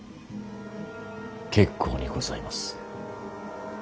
結構にございます。